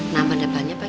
nama depannya apa